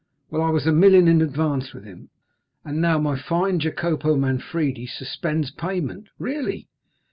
Well, I was a million in advance with him, and now my fine Jacopo Manfredi suspends payment!" "Really?"